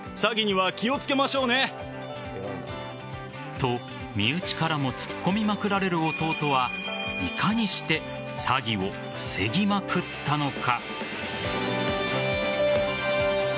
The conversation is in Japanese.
と、身内からもツッコミまくられる弟はいかにして詐欺を防ぎまくったのか。